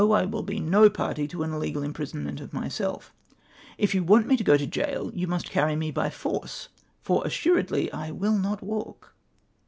I will be no party to an illegal imprisonment of myself If you want me to go to gaol, you must carry me by force, for assuredly I will not walk."